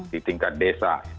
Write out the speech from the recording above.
di tingkat desa